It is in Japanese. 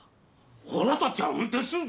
おらたちは運転すっぞ。